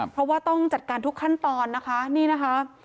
เพราะว่าต้องจัดการทุกขั้นตอนนะคะนี่นะคะ